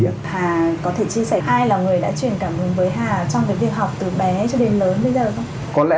hà có thể chia sẻ ai là người đã truyền cảm hứng với hà trong việc học từ bé cho đến lớn bây giờ không